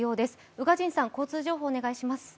宇賀神さん、交通情報をお願いします。